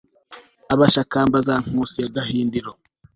abashakamba za nkusi ya gahindiro